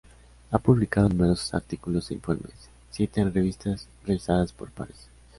Ha publicado numerosos artículos e informes, siete en revistas revisadas por pares.